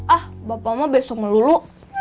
ah bapak mah besok melulu